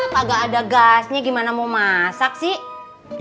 kagak ada gasnya gimana mau masak sih